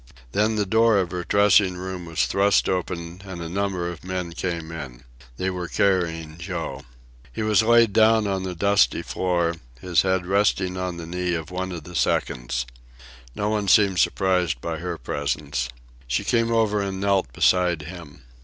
Then the door of her dressing room was thrust open and a number of men came in. They were carrying Joe. He was laid down on the dusty floor, his head resting on the knee of one of the seconds. No one seemed surprised by her presence. She came over and knelt beside him.